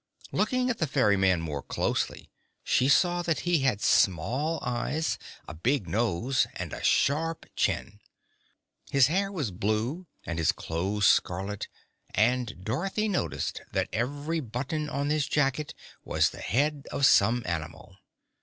Looking at the ferryman more closely she saw that he had small eyes, a big nose, and a sharp chin. His hair was blue and his clothes scarlet, and Dorothy noticed that every button on his jacket was the head of some animal.